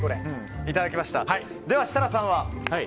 では、設楽さんは？